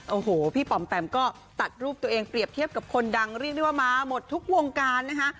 โอ้โหพี่ป๋อมแปมก็ตัดรูปตัวเองเปรียบเทียบกับคนดังเรียกได้ว่ามาหมดทุกวงการนะคะ